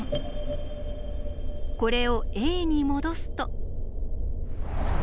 これをＡに戻すと。